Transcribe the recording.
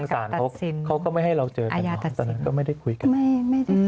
ศาลโฆเขาก็ไม่ให้เราเจอกันแล้วไม่ได้คุยกัน